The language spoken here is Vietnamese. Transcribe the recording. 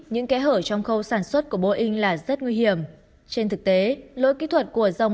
những kẽ hở trong khâu sản xuất của boeing là rất nguy hiểm trên thực tế lỗi kỹ thuật của dòng